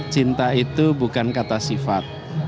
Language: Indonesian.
cinta itu bukan kata sifat